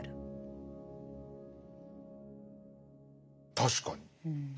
確かに。